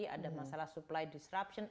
ada masalah supply disruption